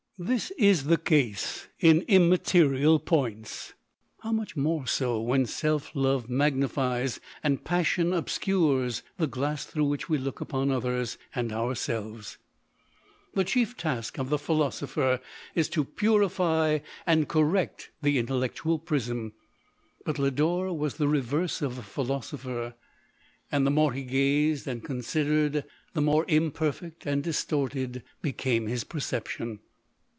This is the case in imma terial points; how much more so, when self love magnifies, and passion obscures, the glass through which we look upon others and our selves. The chief task of the philosopher is to purify and correct the intellectual prism ;— but Lodore was the reverse of a philosopher ; and LODORE. 173 the more he gazed and considered, the more imperfect and distorted became his perception.